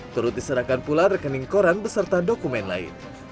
turut diserahkan pula rekening koran beserta dokumen lain